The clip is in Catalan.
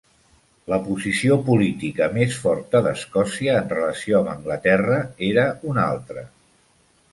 La posició política més forta d'Escòcia en relació amb Anglaterra era una altra.